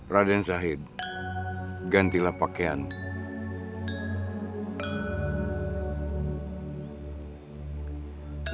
raden syahid gantilah pakaianmu